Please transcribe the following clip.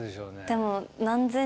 でも。